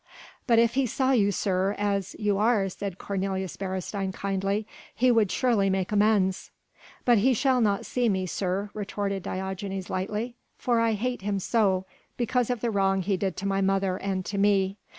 "But if he saw you, sir, as you are," said Cornelius Beresteyn kindly, "he would surely make amends." "But he shall not see me, sir," retorted Diogenes lightly, "for I hate him so, because of the wrong he did to my mother and to me.